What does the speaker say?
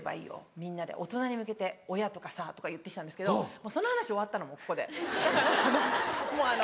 みんなで大人に向けて親とかさ」とか言って来たんですけどその話終わったのもうここでだからもうあの。